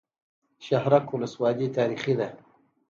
شهرک ولسوالۍ تاریخي ده؟